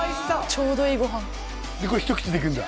ちょうどいいご飯これひと口でいくんだ